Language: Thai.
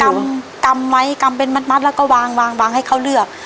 ำกำไว้กำเป็นมัดแล้วก็วางวางให้เขาเลือก